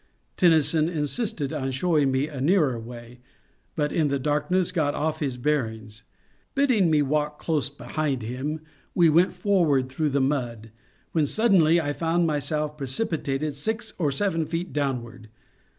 Tennyson insisted on showing me a nearer way, bat in the darkness got off his bearings. Bidding me walk close behind him, we went forward through the mud, Then suddenly I found myself precipitated six or seven feet downward.